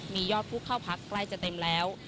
มียอดผู้เข้าพักใกล้จะเต็มแล้ว